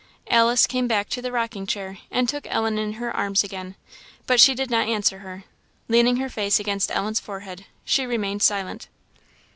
Alice came back to the rocking chair, and took Ellen in her arms again; but she did not answer her. Leaning her face against Ellen's forehead, she remained silent.